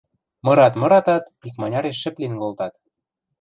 Мырат-мыратат, икманяреш шӹп лин колтат.